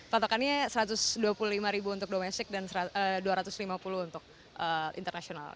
patokannya rp satu ratus dua puluh lima untuk domestik dan rp dua ratus lima puluh untuk internasional